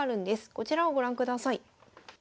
こちらをご覧ください。